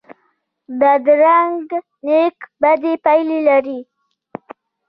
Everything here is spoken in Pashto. بدرنګه نیت بدې پایلې لري